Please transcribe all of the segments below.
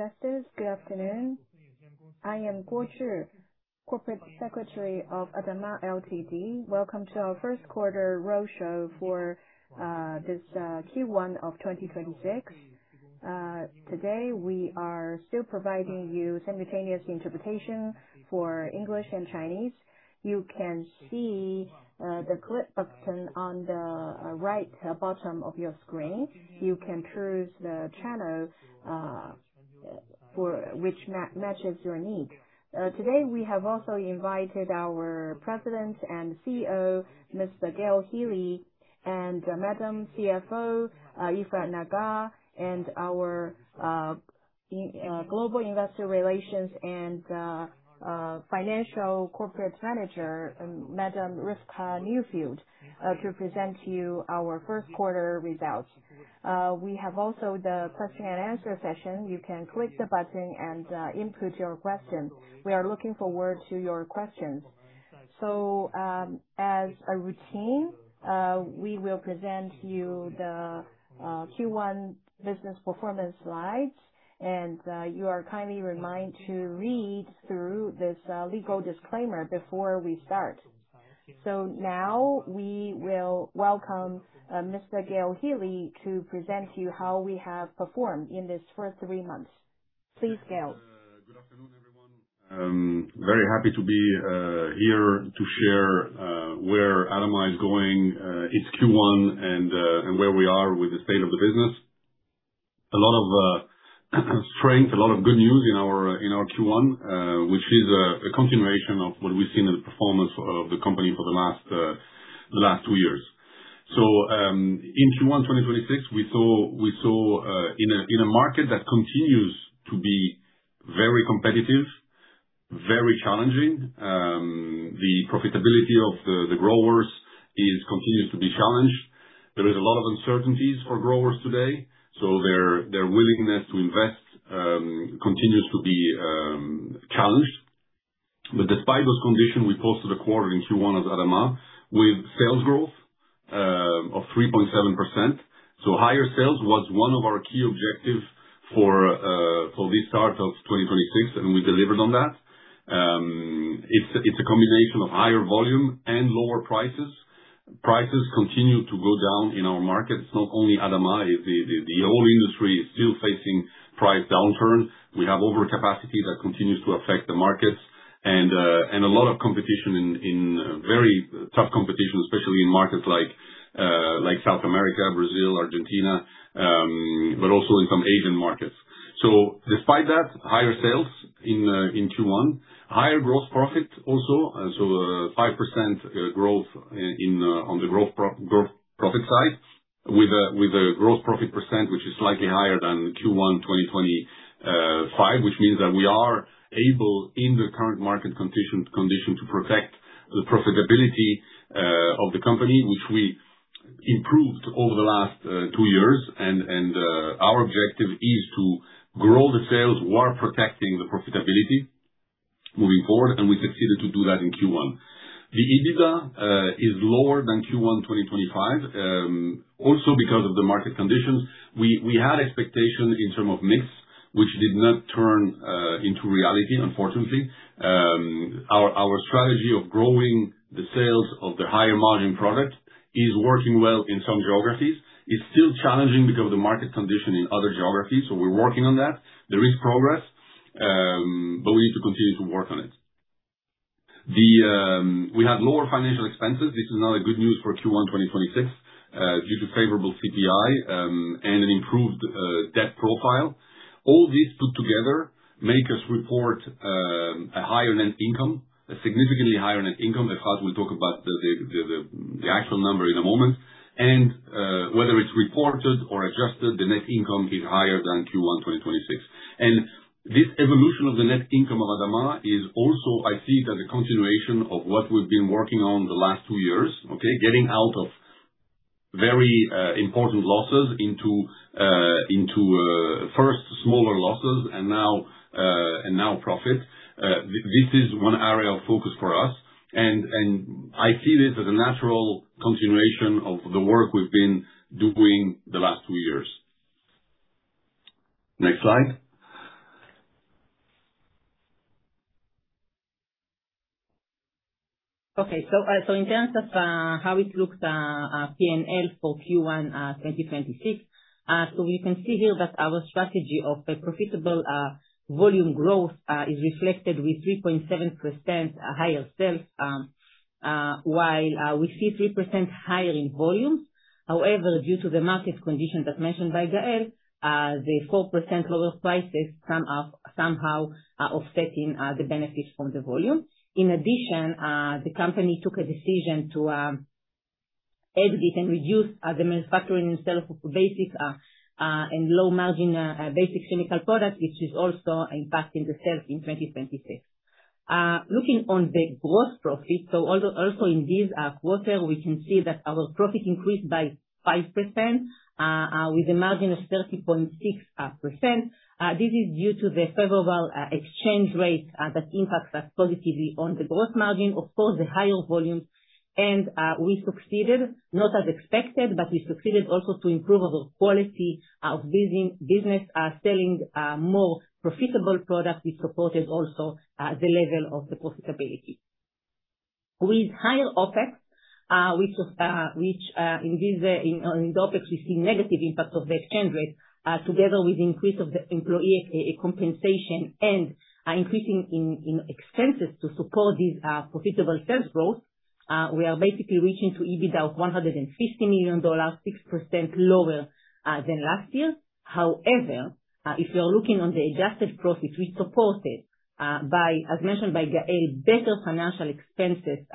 Investors, good afternoon. I am Guo Zhi, corporate secretary of ADAMA Ltd. Welcome to our Q1 roadshow for this Q1 of 2026. Today, we are still providing you simultaneous interpretation for English and Chinese. You can see the clip button on the right bottom of your screen. You can choose the channel which matches your need. Today, we have also invited our President and CEO, Mr. Gaël Hili, and Madam CFO, Efrat Nagar, and our Global Investor Relations and Financial Corporate Manager, Madam Rivka Neufeld, to present to you our Q1 results. We have also the question and answer session. You can click the button and input your question. We are looking forward to your questions. As a routine, we will present you the Q1 business performance slides, and you are kindly reminded to read through this legal disclaimer before we start. Now we will welcome Mr. Gaël Hili to present to you how we have performed in this first three months. Please, Gaël. Good afternoon, everyone. Very happy to be here to share where ADAMA is going, its Q1 and where we are with the state of the business. A lot of strength, a lot of good news in our Q1, which is a continuation of what we've seen in the performance of the company for the last two years. In Q1 2026, we saw in a market that continues to be very competitive, very challenging, the profitability of the growers continues to be challenged. There is a lot of uncertainties for growers today, so their willingness to invest continues to be challenged. Despite those conditions, we posted a quarter in Q1 as ADAMA with sales growth of 3.7%. Higher sales was one of our key objectives for this start of 2026, and we delivered on that. It's a combination of higher volume and lower prices. Prices continue to go down in our markets. Not only ADAMA, the whole industry is still facing price downturn. We have overcapacity that continues to affect the markets and a lot of competition, very tough competition, especially in markets like South America, Brazil, Argentina, but also in some Asian markets. Despite that, higher sales in Q1. Higher gross profit also 5% growth in on the growth profit side with a gross profit percent, which is slightly higher than Q1 2025. Which means that we are able, in the current market condition, to protect the profitability of the company, which we improved over the last two years. Our objective is to grow the sales while protecting the profitability moving forward, and we succeeded to do that in Q1. The EBITDA is lower than Q1 2025 also because of the market conditions. We had expectations in term of mix, which did not turn into reality, unfortunately. Our strategy of growing the sales of the higher margin product is working well in some geographies. It's still challenging because of the market condition in other geographies, so we're working on that. There is progress, but we need to continue to work on it. We have lower financial expenses. This is another good news for Q1 2026, due to favorable CPI and an improved debt profile. All these put together make us report a higher net income, a significantly higher net income. Efrat Nagar will talk about the actual number in a moment. Whether it's reported or adjusted, the net income is higher than Q1 2026. This evolution of the net income of ADAMA is also, I see, that a continuation of what we've been working on the last two years. Okay? Getting out of very important losses into first smaller losses and now and now profit. This is one area of focus for us. I see this as a natural continuation of the work we've been doing the last two years. Next slide. In terms of how it looks, P&L for Q1 2026. We can see here that our strategy of a profitable volume growth is reflected with 3.7% higher sales, while we see 3% higher in volume. However, due to the market conditions as mentioned by Gaël, the 4% lower prices somehow, offsetting the benefit from the volume. In addition, the company took a decision to edit and reduce the manufacturing itself of the basic and low margin basic chemical product, which is also impacting the sales in 2026. Looking on the gross profit, although also in this quarter, we can see that our profit increased by 5%, with a margin of 30.6%. This is due to the favorable exchange rate that impacts us positively on the gross margin. Of course, the higher volume and we succeeded, not as expected, but we succeeded also to improve our quality of business, selling more profitable products which supported also the level of the profitability. With higher OpEx, which in OpEx, we see negative impact of that FX rate, together with increase of the employee compensation and increasing in expenses to support this profitable sales growth. We are basically reaching to EBITDA of $150 million, 6% lower than last year. If you are looking on the adjusted profits, we support it by, as mentioned by Gaël, better financial expenses,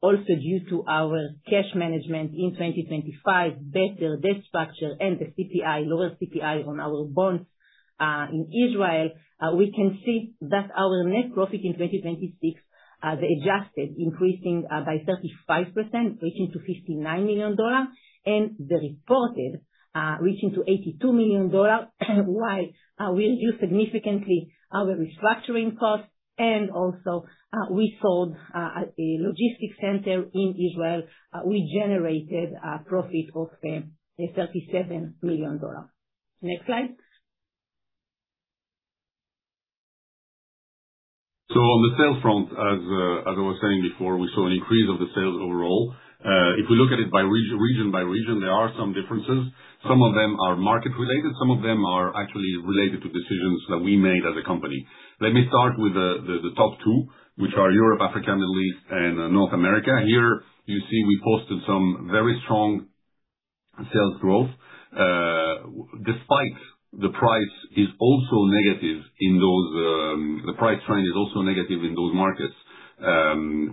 also due to our cash management in 2025, better debt structure and the CPI, lower CPI on our bonds in Israel, we can see that our net profit in 2026, the adjusted increasing by 35%, reaching to $59 million, and the reported reaching to $82 million while we reduce significantly our restructuring costs. Also, we sold a logistics center in Israel. We generated a profit of $37 million. Next slide. On the sales front, as I was saying before, we saw an increase of the sales overall. If we look at it by region by region, there are some differences. Some of them are market related, some of them are actually related to decisions that we made as a company. Let me start with the top two, which are Europe, Africa, Middle East and North America. Here you see we posted some very strong sales growth. Despite the price trend is also negative in those markets.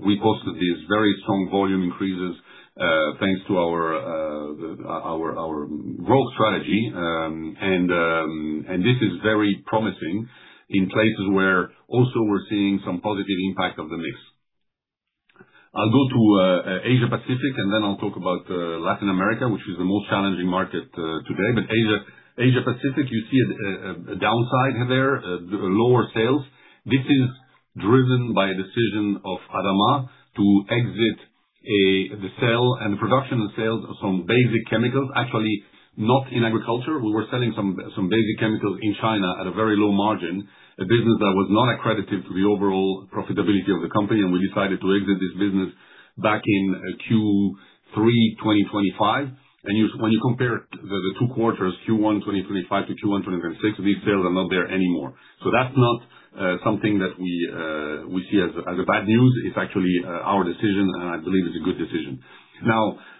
We posted these very strong volume increases, thanks to our growth strategy. This is very promising in places where also we're seeing some positive impact of the mix. I'll go to Asia Pacific, then I'll talk about Latin America, which is the most challenging market today. Asia Pacific, you see a downside there, lower sales. This is driven by a decision of ADAMA to exit the sale and the production and sales of some basic chemicals. Actually, not in agriculture. We were selling some basic chemicals in China at a very low margin, a business that was not accredited to the overall profitability of the company. We decided to exit this business back in Q3 2025. When you compare the two quarters, Q1 2025 to Q1 2026, these sales are not there anymore. That's not something that we see as a bad news. It's actually our decision, and I believe it's a good decision.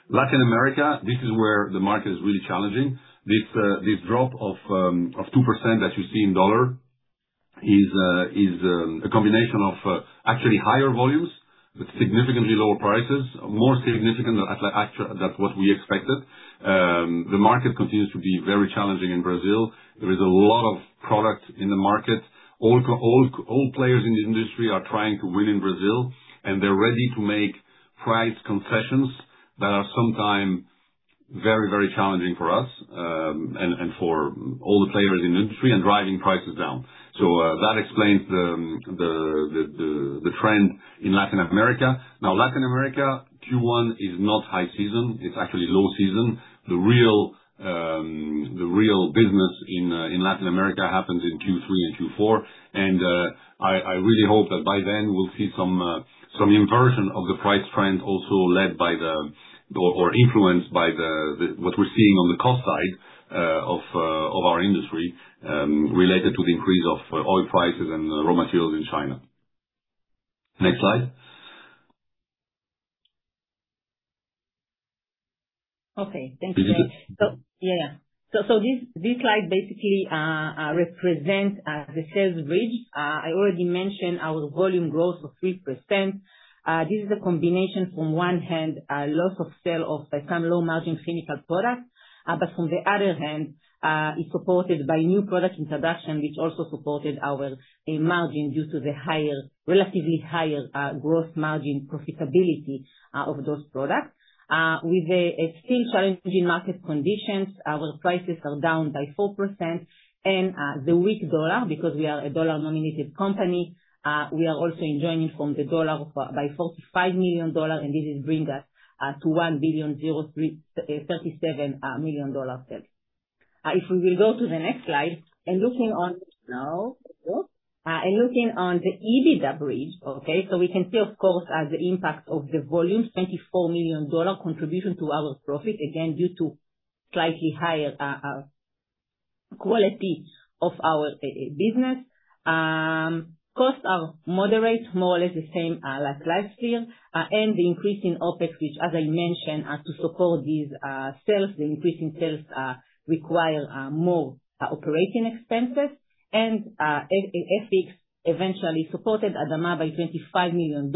Latin America, this is where the market is really challenging. This drop of 2% that you see in dollar is a combination of actually higher volumes but significantly lower prices, more significant than what we expected. The market continues to be very challenging in Brazil. There is a lot of product in the market. All players in the industry are trying to win in Brazil, and they're ready to make price concessions that are sometimes very, very challenging for us, and for all the players in the industry and driving prices down. That explains the trend in Latin America. Latin America, Q1 is not high season. It's actually low season. The real business in Latin America happens in Q3 and Q4. I really hope that by then we'll see some inversion of the price trend also led by or influenced by what we're seeing on the cost side of our industry, related to the increase of oil prices and raw materials in China. Next slide. Okay. Thank you, Gaël. Yeah. This slide basically represents the sales bridge. I already mentioned our volume growth of 3%. This is a combination from one hand, loss of sale of some low margin chemical products, but from the other hand, is supported by new product introduction, which also supported our margin due to the higher, relatively higher, gross margin profitability of those products. With the still challenging market conditions, our prices are down by 4%. The weak dollar, because we are a dollar-denominated company, we are also enjoying it from the dollar by $45 million, and this is bringing us to $1,037 million sales. If we will go to the next slide, and looking on it now. Looking on the EBITDA bridge, we can see the impact of the volume, $24 million contribution to our profit, again due to slightly higher quality of our business. Cost are moderate, more or less the same as last year. The increase in OpEx, which as I mentioned, are to support these sales. The increase in sales require more operating expenses. FX eventually supported ADAMA by $25 million,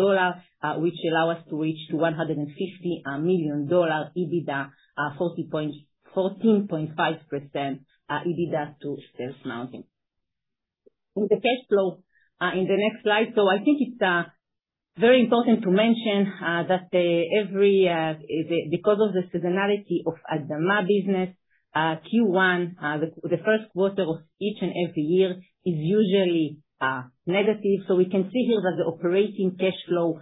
which allow us to reach to $150 million EBITDA, 14.5% EBITDA to sales margin. In the cash flow, in the next slide. I think it's very important to mention that because of the seasonality of ADAMA business, Q1, the Q1 of each and every year, is usually negative. We can see here that the operating cash flow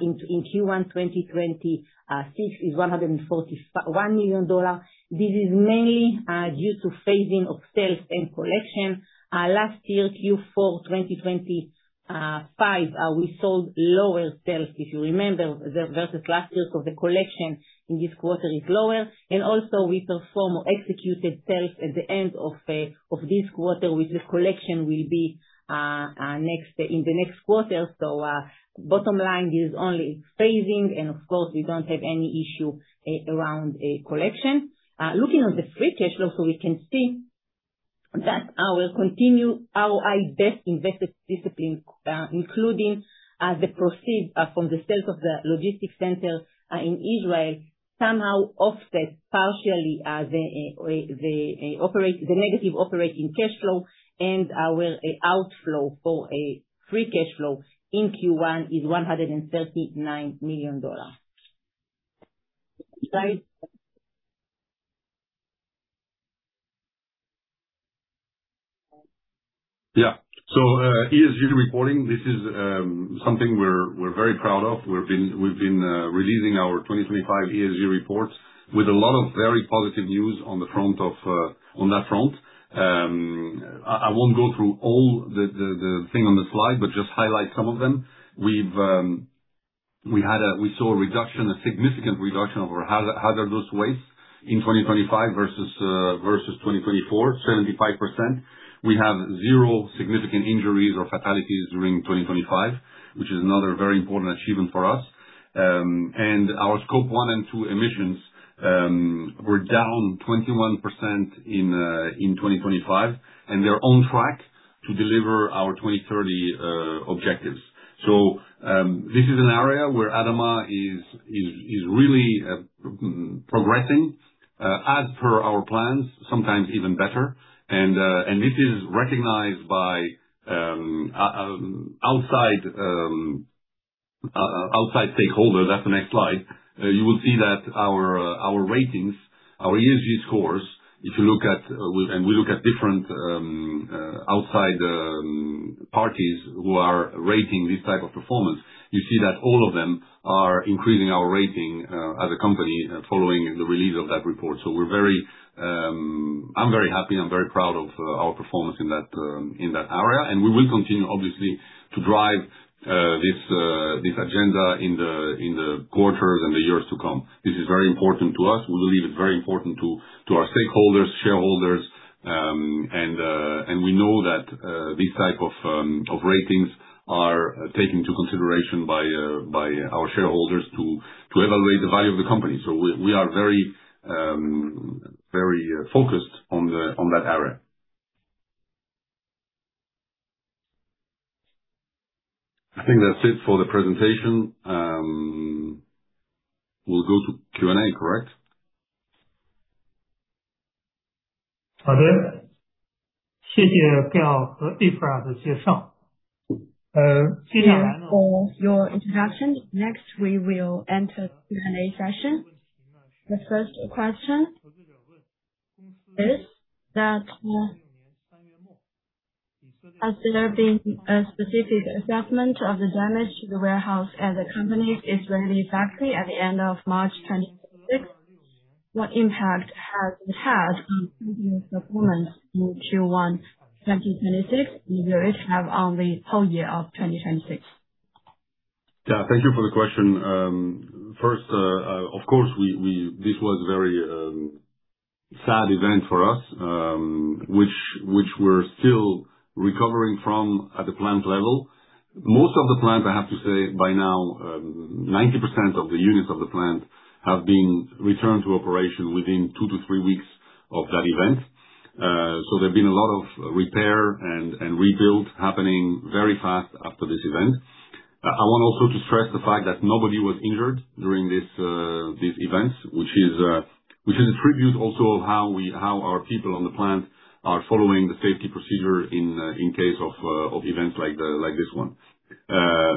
in Q1 2026 is $141 million. This is mainly due to phasing of sales and collection. Last year, Q4 2025, we sold lower sales. If you remember versus last year because the collection in this quarter is lower. Also we perform executed sales at the end of this quarter, which the collection will be in the next quarter. Bottom line is only phasing, and of course, we don't have any issue around collection. Looking at the free cash flow, we can see that our best investment discipline, including the proceeds from the sales of the logistics center in Israel, somehow partially offset the negative operating cash flow and our outflow for free cash flow in Q1 is $139 million. Gaël? ESG reporting, this is something we're very proud of. We've been releasing our 2025 ESG reports with a lot of very positive news on the front of on that front. I won't go through all the thing on the slide, but just highlight some of them. We saw a reduction, a significant reduction of our hazardous waste in 2025 versus versus 2024, 75%. We have zero significant injuries or fatalities during 2025, which is another very important achievement for us. Our scope 1 and 2 emissions were down 21% in in 2025, we are on track to deliver our 2030 objectives. This is an area where ADAMA is really progressing as per our plans, sometimes even better. This is recognized by outside stakeholders. That's the next slide. You will see that our ratings, our ESG scores, if you look at and we look at different outside parties who are rating this type of performance, you see that all of them are increasing our rating as a company following the release of that report. I'm very happy, I'm very proud of our performance in that area, and we will continue, obviously, to drive this agenda in the quarters and the years to come. This is very important to us. We believe it's very important to our stakeholders, shareholders. We know that these type of ratings are taken into consideration by our shareholders to evaluate the value of the company. We are very focused on that area. I think that's it for the presentation. We'll go to Q&A, correct? Thank you for your introduction. Next, we will enter Q&A session. The first question is, has there been a specific assessment of the damage to the warehouse at the company's Israeli factory at the end of March 2026? What impact has it had on business performance in Q1, 2026, and the risk have on the whole year of 2026? Yeah, thank you for the question. First, of course, this was very sad event for us, which we're still recovering from at the plant level. Most of the plant, I have to say by now, 90% of the units of the plant have been returned to operation within 2 weeks-3 weeks of that event. There's been a lot of repair and rebuild happening very fast after this event. I want also to stress the fact that nobody was injured during this event, which is a tribute also of how our people on the plant are following the safety procedure in case of events like this one.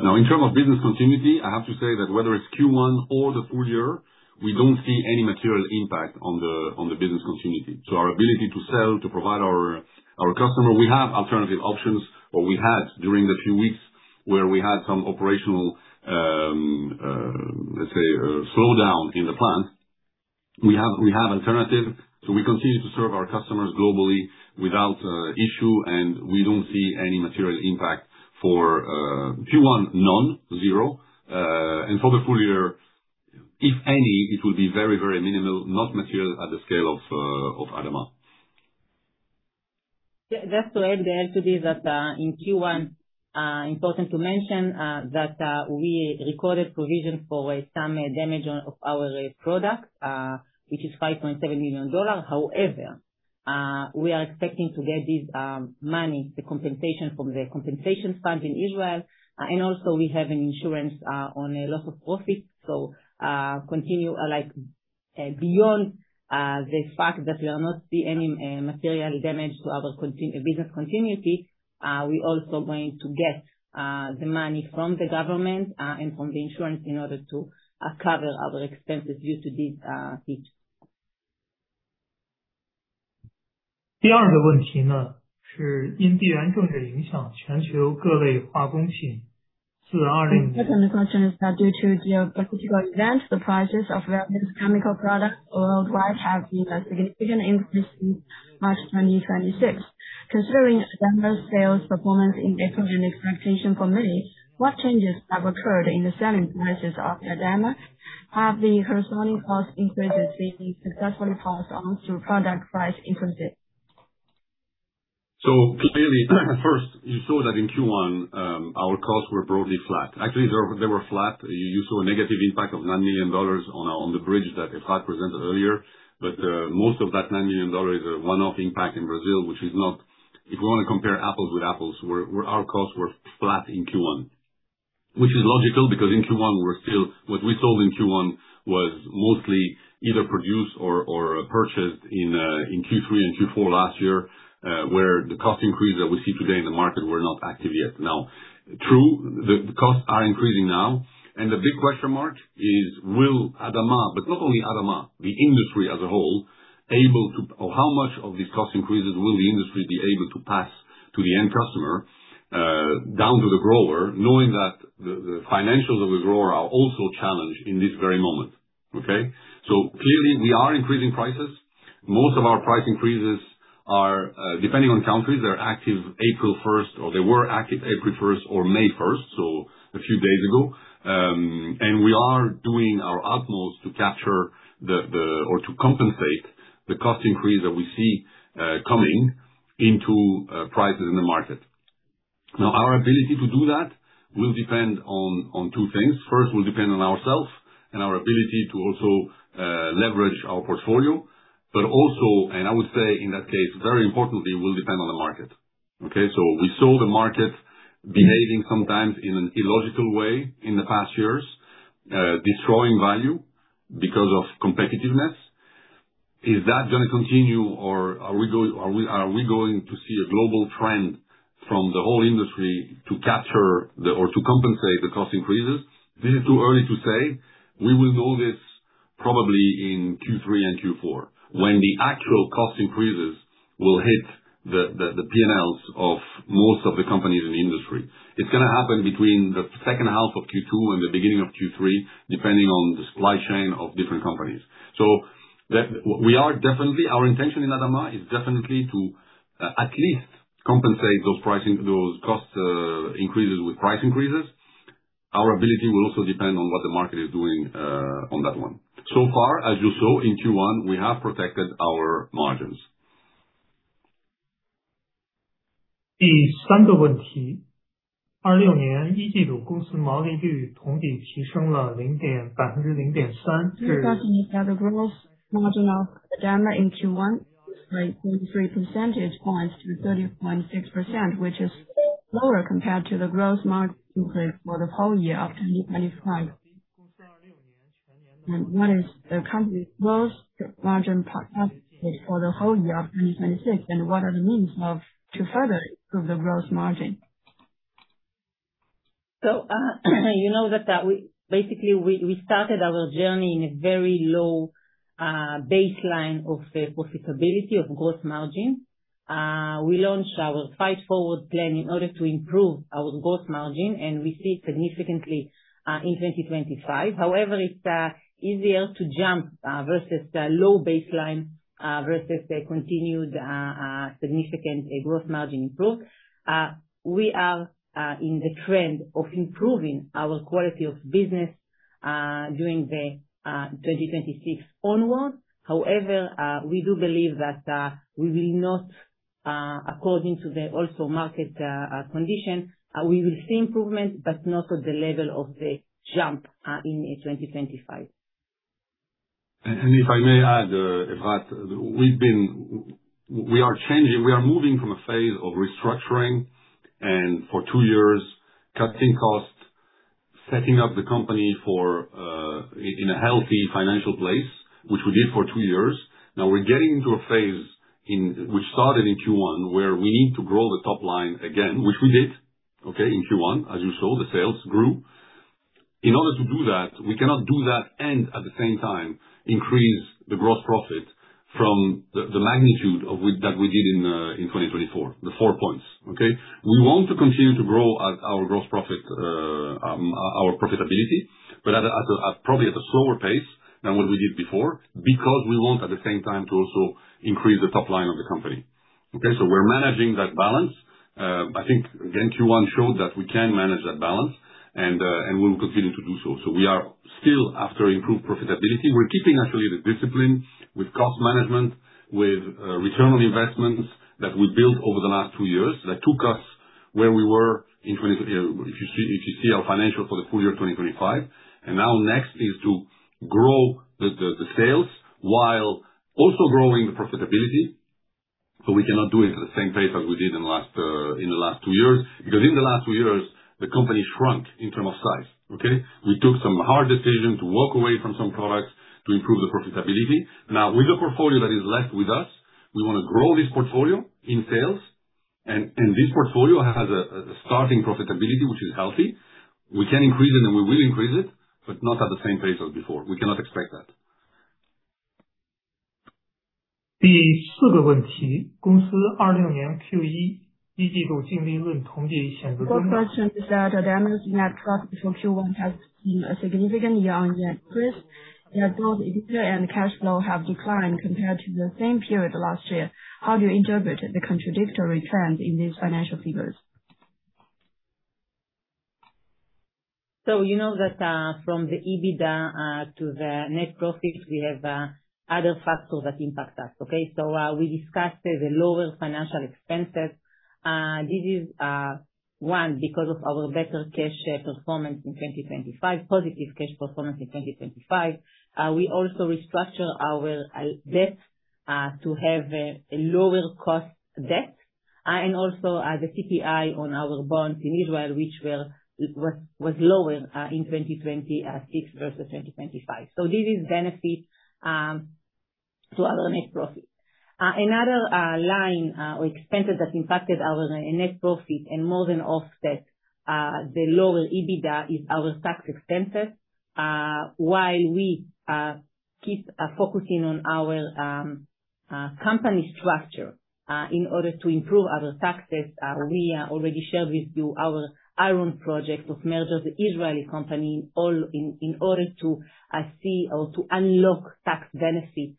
Now, in terms of business continuity, I have to say that whether it's Q1 or the full year, we don't see any material impact on the, on the business continuity. Our ability to sell, to provide our customer, we have alternative options, or we had during the few weeks where we had some operational, let's say, slowdown in the plant. We have alternative. We continue to serve our customers globally without issue, and we don't see any material impact for Q1 none, zero. And for the full year, if any, it will be very, very minimal, not material at the scale of ADAMA. Yeah. Just to add there to this, that in Q1, important to mention that we recorded provision for some damage of our product, which is $5.7 million. We are expecting to get this money, the compensation from the compensation fund in Israel, and also we have an insurance on a loss of profit. Continue, like, beyond the fact that we are not seeing any material damage to our business continuity, we also going to get the money from the government and from the insurance in order to cover our expenses due to this. The second question is that due to geopolitical events, the prices of various chemical products worldwide have seen a significant increase since March 2026. Considering ADAMA's sales performance in April and expectation for May, what changes have occurred in the selling prices of ADAMA? Have the corresponding costs increases been successfully passed on through product price increases? Clearly, first, you saw that in Q1, our costs were broadly flat. Actually, they were flat. You saw a negative impact of $9 million on the bridge that Efrat presented earlier. Most of that $9 million is a one-off impact in Brazil. If we wanna compare apples with apples, our costs were flat in Q1, which is logical because in Q1, what we sold in Q1 was mostly either produced or purchased in Q3 and Q4 last year, where the cost increase that we see today in the market were not active yet. True, the costs are increasing now, and the big question mark is, how much of these cost increases will the industry be able to pass to the end customer, down to the grower, knowing that the financials of the grower are also challenged in this very moment. Okay? Clearly, we are increasing prices. Most of our price increases are, depending on countries, they're active April 1st, or they were active April 1st or May 1st, a few days ago. We are doing our utmost to capture the, or to compensate the cost increase that we see, coming into prices in the market. Our ability to do that will depend on two things. First, will depend on ourselves and our ability to also leverage our portfolio. I would say in that case, very importantly, will depend on the market. We saw the market behaving sometimes in an illogical way in the past years, destroying value because of competitiveness. Is that gonna continue or are we going to see a global trend from the whole industry to capture the, or to compensate the cost increases? This is too early to say. We will know this probably in Q3 and Q4, when the actual cost increases will hit the P&Ls of most of the companies in the industry. It's gonna happen between the H2 of Q2 and the beginning of Q3, depending on the supply chain of different companies. Our intention in ADAMA is definitely to, at least compensate those pricing, those cost, increases with price increases. Our ability will also depend on what the market is doing, on that one. So far, as you saw in Q1, we have protected our margins. The second question is that the gross margin of ADAMA in Q1 was by 0.3 percentage points to 30.6%, which is lower compared to the gross margin for the whole year of 2025. What is the company's gross margin percent for the whole year of 2026, and what are the means of to further improve the gross margin? You know that we Basically, we started our journey in a very low baseline of profitability of gross margin. We launched our Fight Forward plan in order to improve our gross margin, and we see it significantly in 2025. However, it's easier to jump versus the low baseline versus the continued significant gross margin improvement. We are in the trend of improving our quality of business during the 2026 onwards. However, we do believe that we will not, according to the also market condition, we will see improvement, but not at the level of the junk having in 2025. If I may add, Efrat Nagar, we are changing, we are moving from a phase of restructuring and for two years cutting costs, setting up the company for in a healthy financial place, which we did for two years. Now we're getting into a phase which started in Q1, where we need to grow the top line again, which we did, okay? In Q1, as you saw, the sales grew. In order to do that, we cannot do that and at the same time increase the gross profit from the magnitude of we, that we did in 2024, the 4 points, okay? We want to continue to grow at our gross profit, our profitability, but probably at a slower pace than what we did before, because we want at the same time to also increase the top line of the company. Okay. We're managing that balance. I think again, Q1 showed that we can manage that balance and we will continue to do so. We are still after improved profitability. We're keeping actually the discipline with cost management, with return on investments that we built over the last two years, that took us where we were in, if you see our financials for the full year 2025. Now next is to grow the sales while also growing the profitability, but we cannot do it at the same pace as we did in the last, in the last two years. In the last two years, the company shrunk in terms of size, okay. We took some hard decisions to walk away from some products to improve the profitability. Now, with the portfolio that is left with us, we wanna grow this portfolio in sales. This portfolio has a starting profitability, which is healthy. We can increase it and we will increase it, but not at the same pace as before. We cannot expect that. The first question is that ADAMA's net profit for Q1 has seen a significant year-on-year increase, yet both EBITDA and cash flow have declined compared to the same period last year. How do you interpret the contradictory trends in these financial figures? You know that, from the EBITDA, to the net profits, we have other factors that impact us. Okay? We discussed the lower financial expenses. This is one, because of our better cash performance in 2025, positive cash performance in 2025. We also restructure our debt to have a lower cost debt. And also, the CPI on our bonds in Israel, which was lower in 2026 versus 2025. This is benefit to our net profit. Another line or expenses that impacted our net profit and more than offset the lower EBITDA is our tax expenses. While we keep focusing on our company structure, in order to improve our taxes, we already shared with you our own project of merger, the Israeli company, all in order to see or to unlock tax benefit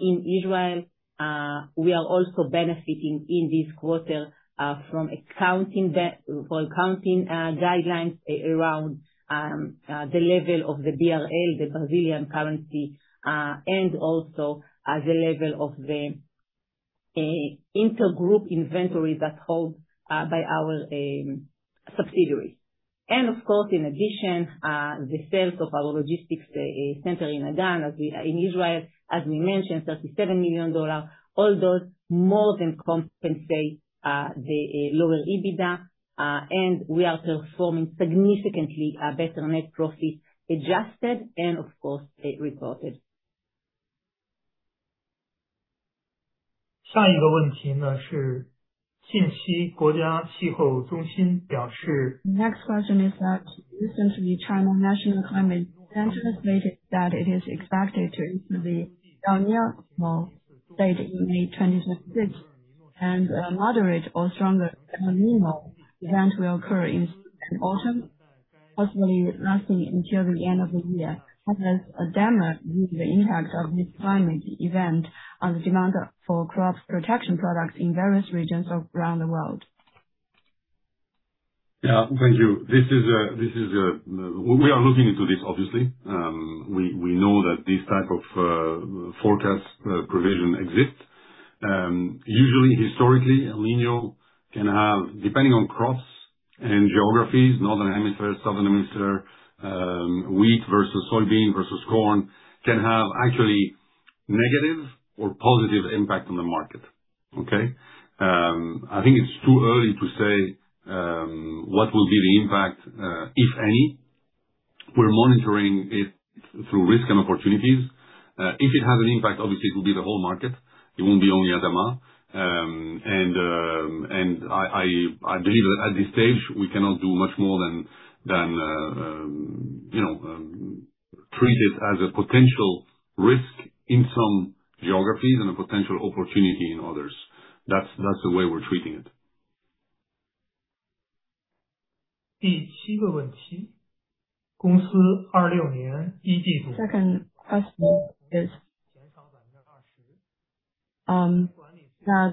in Israel. We are also benefiting in this quarter from accounting that for accounting guidelines around the level of the BRL, the Brazilian currency, and also the level of the intergroup inventories that's held by our subsidiaries. Of course, in addition, the sales of our logistics center in Hadera, in Israel, as we mentioned, $37 million, all those more than compensate the lower EBITDA, and we are performing significantly better net profit adjusted and of course, reported. Next question is that recently National Climate Center stated that it is expected to enter the El Niño state in May 2026, and a moderate or stronger El Niño event will occur in autumn, possibly lasting until the end of the year. How does ADAMA view the impact of this climate event on the demand for crop protection products in various regions around the world? Yeah, thank you. This is, We are looking into this, obviously. We know that this type of forecast provision exists. Usually historically, El Niño can have, depending on crops and geographies, Northern Hemisphere, Southern Hemisphere, wheat versus soybean versus corn, can have actually negative or positive impact on the market. Okay. I think it's too early to say what will be the impact, if any. We're monitoring it through risk and opportunities. If it has an impact, obviously, it will be the whole market. It won't be only ADAMA. I believe at this stage, we cannot do much more than, you know, treat it as a potential risk in some geographies and a potential opportunity in others. That's the way we're treating it. Second question is, that,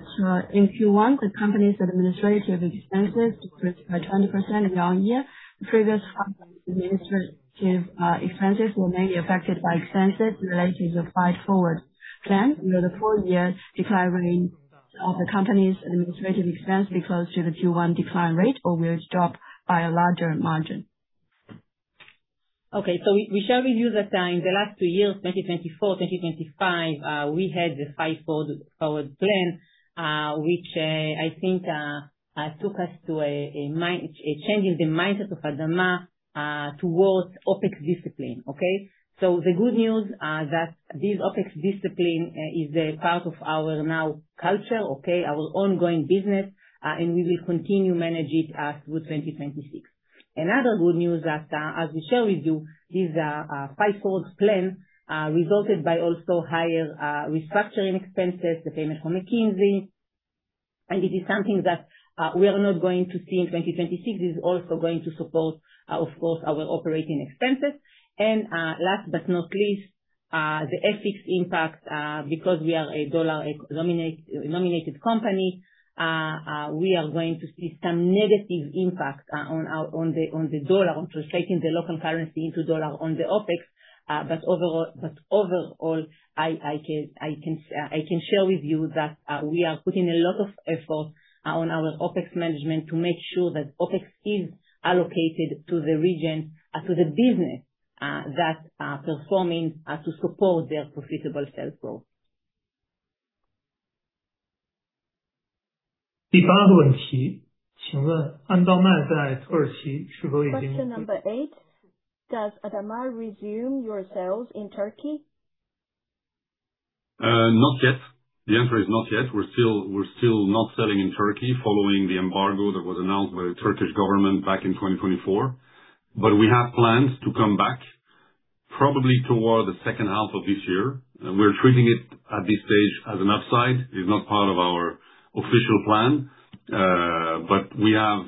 if you want the company's administrative expenses to decrease by 20% year-on-year, the previous company's administrative expenses were mainly affected by expenses related to the Fight Forward plan. Will the full year decline rate of the company's administrative expense be close to the Q1 decline rate or will it drop by a larger margin? We share with you that, in the last two years, 2024, 2025, we had the Fight Forward plan, which, I think, took us to a change in the mindset of ADAMA towards OpEx discipline. Okay? The good news that this OpEx discipline is a part of our now culture, okay, our ongoing business, and we will continue manage it through 2026. Another good news that, as we share with you, this Fight Forward plan resulted by also higher restructuring expenses, the payment for McKinsey. It is something that we are not going to see in 2026. This is also going to support, of course, our operating expenses. Last but not least, the FX impact, because we are a dollar nominated company, we are going to see some negative impact on our on the, on the dollar, on translating the local currency into dollar on the OpEx. Overall, I can share with you that we are putting a lot of effort on our OpEx management to make sure that OpEx is allocated to the region, to the business that are performing, to support their profitable sales growth. Question number 8. Does ADAMA resume your sales in Turkey? Not yet. The answer is not yet. We're still not selling in Turkey following the embargo that was announced by the Turkish government back in 2024. We have plans to come back probably toward the H2 of this year. We're treating it at this stage as an upside. It's not part of our official plan. We have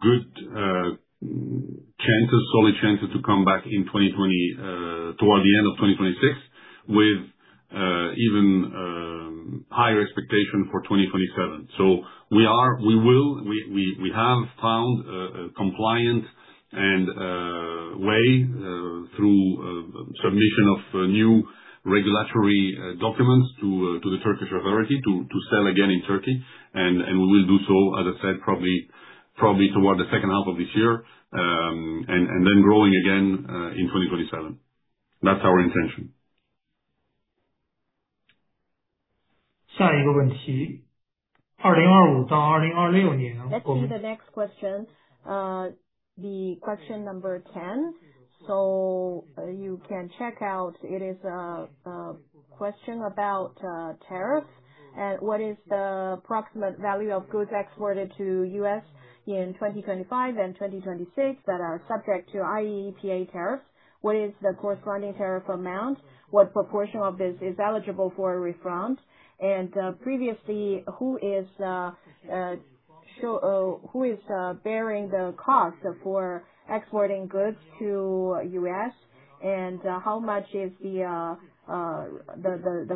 good chances, solid chances to come back toward the end of 2026, with even higher expectation for 2027. We will have found compliance and way through submission of new regulatory documents to the Turkish authority to sell again in Turkey. And we will do so, as I said, probably toward the H2 of this year. Growing again, in 2027. That's our intention. Let's do the next question. The question number 10. You can check out, it is a question about tariff and what is the approximate value of goods exported to U.S. in 2025 and 2026 that are subject to IEEPA tariff. What is the corresponding tariff amount? What proportion of this is eligible for refunds? Previously, who is bearing the cost for exporting goods to U.S.? How much is the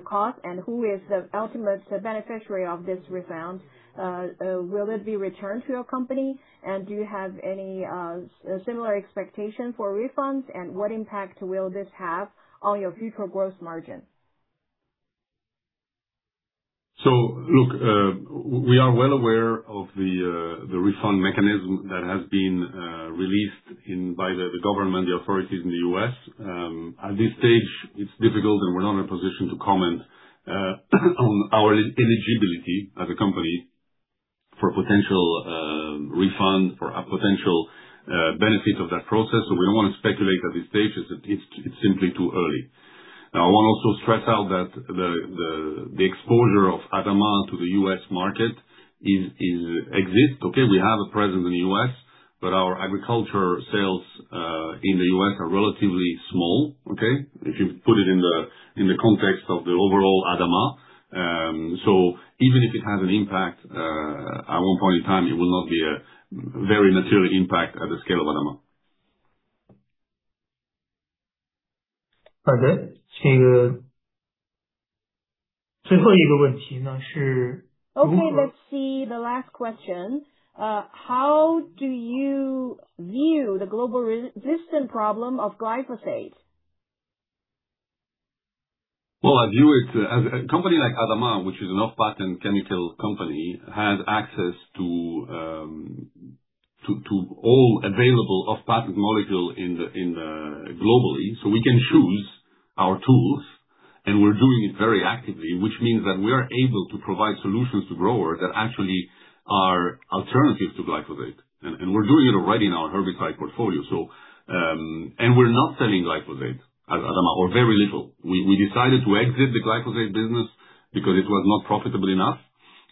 cost? Who is the ultimate beneficiary of this refund? Will it be returned to your company? Do you have any similar expectation for refunds? What impact will this have on your future growth margin? Look, we are well aware of the refund mechanism that has been released by the government, the authorities in the U.S. At this stage, it's difficult and we're not in a position to comment on our eligibility as a company for potential refund or a potential benefit of that process. We don't wanna speculate at this stage. It's simply too early. I wanna also stress out that the exposure of ADAMA to the U.S. market is exists. Okay, we have a presence in the U.S., but our agriculture sales in the U.S. are relatively small, okay? If you put it in the context of the overall ADAMA. Even if it has an impact, at one point in time, it will not be a very material impact at the scale of ADAMA. Okay, let's see the last question. How do you view the global resistance problem of glyphosate? Well, I view it, a company like ADAMA, which is an off-patent chemical company, has access to all available off-patent molecule in the globally. We can choose our tools, we're doing it very actively, which means that we are able to provide solutions to growers that actually are alternatives to glyphosate. We're doing it already in our herbicide portfolio. We're not selling glyphosate at ADAMA, or very little. We decided to exit the glyphosate business because it was not profitable enough.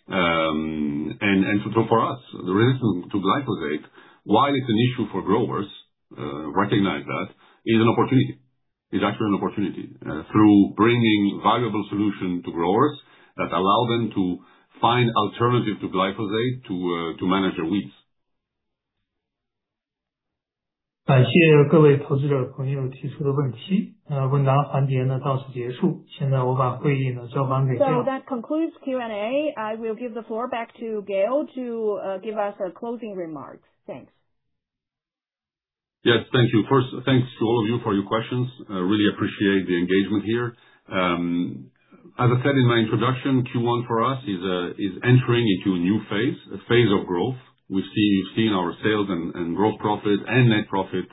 For us, the resistance to glyphosate, while it's an issue for growers, recognize that, is an opportunity. It's actually an opportunity, through bringing valuable solution to growers that allow them to find alternative to glyphosate to manage their weeds. That concludes Q&A. I will give the floor back to Gaël to give us a closing remark. Thanks. Yes, thank you. First, thanks to all of you for your questions. I really appreciate the engagement here. As I said in my introduction, Q1 for us is entering into a new phase, a phase of growth. We've seen our sales and gross profit and net profit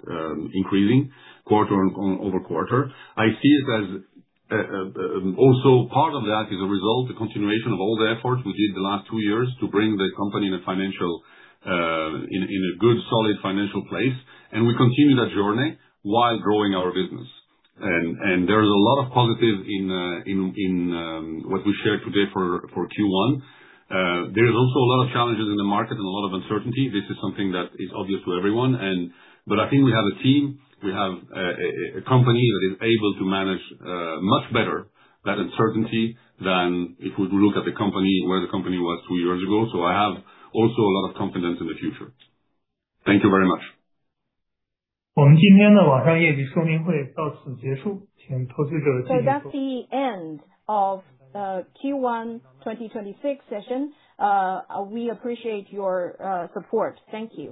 increasing quarter-over-quarter. I see it as also part of that is a result, a continuation of all the efforts we did the last two years to bring the company in a financial, in a good, solid financial place. We continue that journey while growing our business. There is a lot of positive in what we shared today for Q1. There is also a lot of challenges in the market and a lot of uncertainty. This is something that is obvious to everyone. I think we have a team, we have a company that is able to manage much better that uncertainty than if we look at the company, where the company was two years ago. I have also a lot of confidence in the future. Thank you very much. That's the end of Q1 2026 session. We appreciate your support. Thank you.